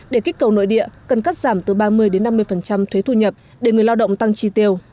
để kích cầu nội địa cần cắt giảm từ ba mươi năm mươi thuế thu nhập để người lao động tăng tri tiêu